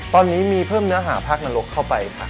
ตอนนี้มีเพิ่มเนื้อหาภาคนรกเข้าไปค่ะ